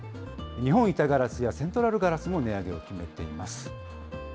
日本板硝子やセントラル硝子も値上げを決めています。